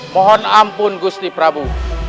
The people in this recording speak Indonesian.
mohon ampun gusti prabu